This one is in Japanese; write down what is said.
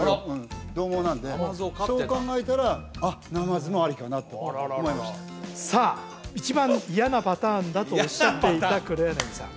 どう猛なんでそう考えたらナマズもありかなと思いましたさあ一番嫌なパターンだとおっしゃっていた黒柳さん